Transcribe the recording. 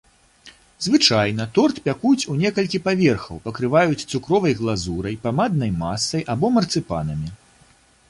Звычайна торт пякуць ў некалькі паверхаў, пакрываюць цукровай глазурай, памаднай масай або марцыпанамі.